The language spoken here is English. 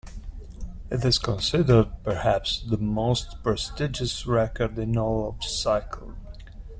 It is considered perhaps the most prestigious record in all of cycling.